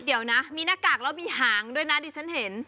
เดี๋ยวนะมีหน้ากากแล้วมีหางด้วยนะดิฉันเห็น